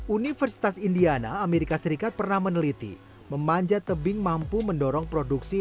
universitas indiana amerika serikat pernah meneliti memanjat tebing mampu mendorong produksi